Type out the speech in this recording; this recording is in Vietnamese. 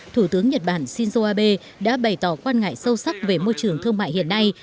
thủ tướng nhật bản shinzo abe đã bày tỏ quan ngại sâu sắc về môi trường thương mại hiện nay